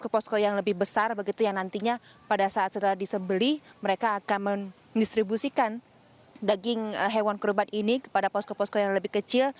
ke posko yang lebih besar begitu yang nantinya pada saat setelah disebeli mereka akan mendistribusikan daging hewan kurban ini kepada posko posko yang lebih kecil